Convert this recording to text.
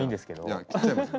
いや切っちゃいました。